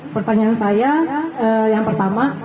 pertanyaan saya yang pertama